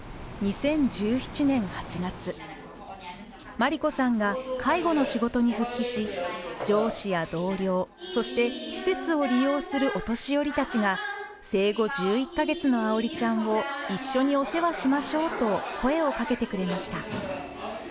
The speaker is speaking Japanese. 真理子さんが介護の仕事に復帰し上司や同僚そして施設を利用するお年寄りたちが「生後１１か月の愛織ちゃんを一緒にお世話しましょう」と声を掛けてくれました。